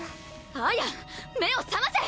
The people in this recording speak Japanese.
亜耶目を覚ませ！